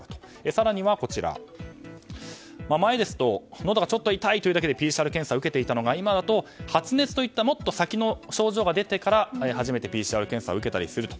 更には、前ですとのどがちょっと痛いというだけでＰＣＲ検査を受けていたのが今だと発熱といったもっと先の症状が出てから初めてＰＣＲ検査を受けたりすると。